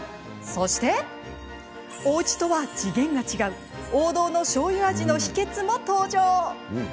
そして、おうちとは次元が違う王道のしょうゆ味の秘けつも登場。